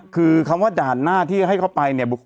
คือคำว่าด่านหน้าที่ให้เข้าไปเนี่ย